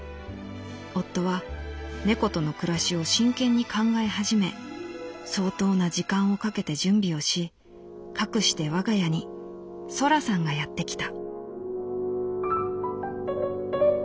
夫は猫との暮らしを真剣に考え始め相当な時間をかけて準備をしかくして我が家にそらさんがやってきた」。